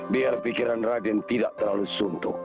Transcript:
biar pikiran raden tidak terlalu suntuk